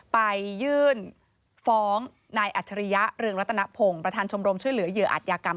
ไปยื่นฟ้องนายอัจฉริยะเรืองรัตนพงศ์ประธานชมรมช่วยเหลือเหยื่ออัตยากรรม